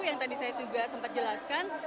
yang tadi saya juga sempat jelaskan